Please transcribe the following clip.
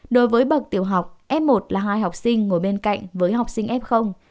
đối với bậc tiểu học f một là hai học sinh ngồi bên cạnh với học sinh f